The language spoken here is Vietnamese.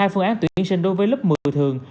hai phương án tuyển sinh đối với lớp một mươi thường